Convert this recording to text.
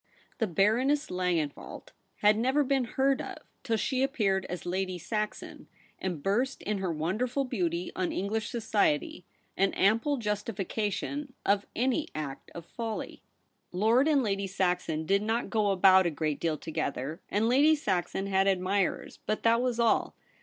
The Baroness Langenwelt had never been heard of till she appeared as Lady Saxon, and burst in her wonderful beauty on English society, an ample justification of any act of folly. Lord and Lady Saxon did not go about a great deal together, and Lady Saxon had admirers, but that was all.